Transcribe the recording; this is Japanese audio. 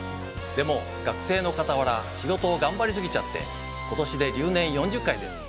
でも学生のかたわら仕事をがんばりすぎちゃって今年で留年４０回です。